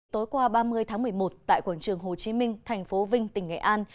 tối qua ba mươi tháng một mươi một tại quảng trường hồ chí minh thành phố vinh tỉnh nghệ an